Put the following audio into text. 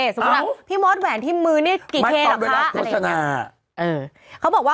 สมมติว่า